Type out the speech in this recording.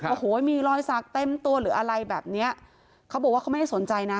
โอ้โหมีรอยสักเต็มตัวหรืออะไรแบบเนี้ยเขาบอกว่าเขาไม่ได้สนใจนะ